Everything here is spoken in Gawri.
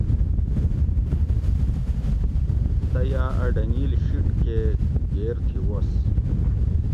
سہ یاۤ اَ ڈنگیل شیٹ کہ گیر تھی وُس